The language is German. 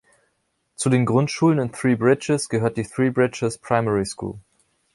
Zu den Grundschulen in Three Bridges gehört die Three Bridges Primary School.